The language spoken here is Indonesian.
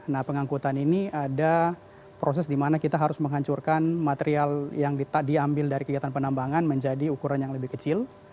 nah pengangkutan ini ada proses di mana kita harus menghancurkan material yang diambil dari kegiatan penambangan menjadi ukuran yang lebih kecil